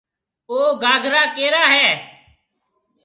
او گھاگرا ڪَيرا هيَ؟